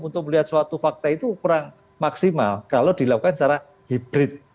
untuk melihat suatu fakta itu kurang maksimal kalau dilakukan secara hibrid